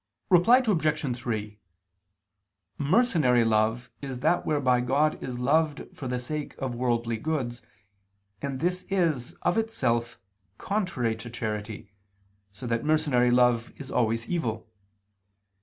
Reply Obj. 3: Mercenary love is that whereby God is loved for the sake of worldly goods, and this is, of itself, contrary to charity, so that mercenary love is always evil.